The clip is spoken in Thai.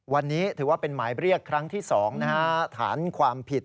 วันนี้ถือว่าเป็นหมายเรียกครั้งที่๒ฐานความผิด